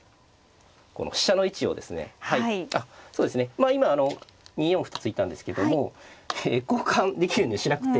まあ今２四歩と突いたんですけども交換できるのにしなくて。